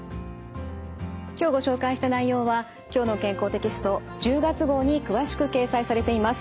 今日ご紹介した内容は「きょうの健康」テキスト１０月号に詳しく掲載されています。